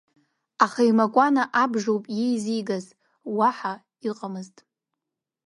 Аха имакәан абжоуп иеизигаз, уаҳа ыҟамызт.